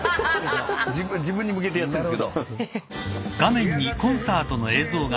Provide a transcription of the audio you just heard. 自分に向けてやってんですけど。